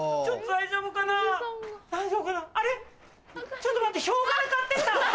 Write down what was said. ちょっと待って。